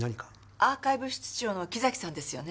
アーカイブ室長の木崎さんですよね？